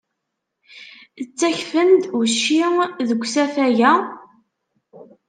Ttakfen-d ucci deg usafag-a?